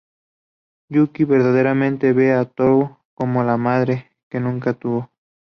Yuki verdaderamente ve a Tohru como la "madre" que nunca tuvo.